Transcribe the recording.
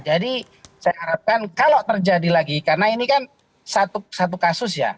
jadi saya harapkan kalau terjadi lagi karena ini kan satu kasus ya